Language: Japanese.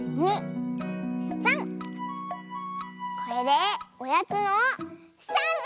これでおやつの３じ！